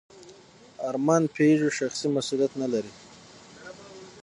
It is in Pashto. ارمان پيژو شخصي مسوولیت نهلري.